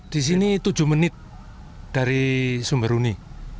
di sini tujuh menit dari sumberuni